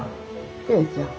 啓ちゃん。